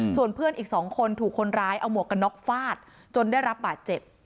ส่วนเพื่อนอีก๒คนถูกคนร้ายเอาหมวกกันน็อกฟาดจนได้รับบาดเจ็บ